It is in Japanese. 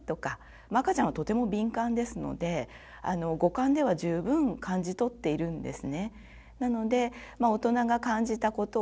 赤ちゃんはとても敏感ですので五感では十分感じ取っているんですね。